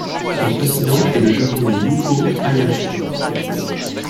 Son président est le Japonais Yewkow Hayashi.